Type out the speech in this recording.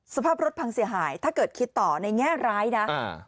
สภาพรถพังเสียหายถ้าเกิดคิดต่อในแง่ร้ายนะอ่า